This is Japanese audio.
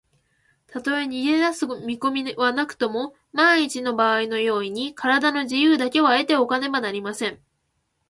たとえ逃げだす見こみはなくとも、まんいちのばあいの用意に、からだの自由だけは得ておかねばなりません。